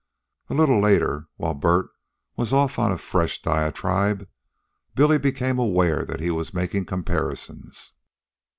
A little later, while Bert was off on a fresh diatribe, Billy became aware that he was making comparisons.